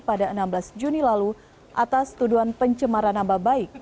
pada enam belas juni lalu atas tuduhan pencemaran nama baik